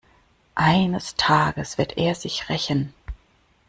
Eines Tages wird er sich rächen.